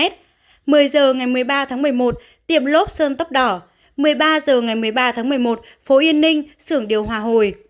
một mươi h ngày một mươi ba tháng một mươi một tiệm lốp sơn tốc đỏ một mươi ba h ngày một mươi ba tháng một mươi một phố yên ninh sưởng điều hòa hồi